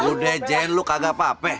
udah jejen lu kagak apa apa